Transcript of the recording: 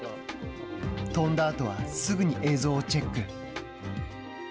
飛んだあとはすぐに映像をチェック。